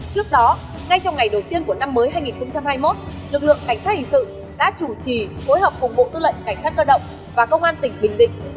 trước đó ngay trong ngày đầu tiên của năm mới hai nghìn hai mươi một lực lượng cảnh sát hình sự đã chủ trì phối hợp cùng bộ tư lệnh cảnh sát cơ động và công an tỉnh bình định